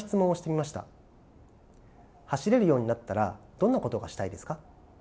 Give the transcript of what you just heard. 「走れるようになったらどんなことがしたいですか？」。